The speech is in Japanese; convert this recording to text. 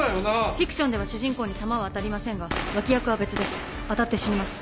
フィクションでは主人公に弾は当たりませんが脇役は別です当たって死にます。